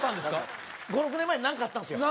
５６年前に何かあったんすよ